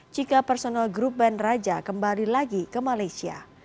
jika personal grup band raja kembali lagi ke malaysia